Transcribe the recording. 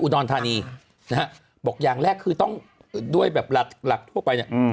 อุดอนธานีนะฮะบอกอย่างแรกคือต้องด้วยแบบหลักหลักทั่วไป